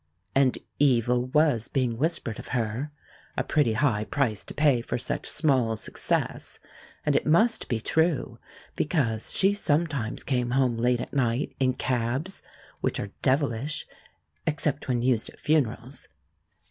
And evil was being whispered of her a pretty high price to pay for such small success; and it must be true, because she sometimes came home late at night in cabs, which are devilish, except when used at funerals.